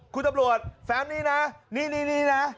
คุณตำรวจแป๊บนี้นะนี่นี่นะ